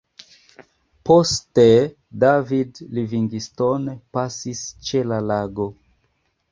Poste David Livingstone pasis ĉe la lago.